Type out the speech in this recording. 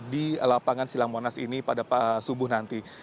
di lapangan silang monas ini pada subuh nanti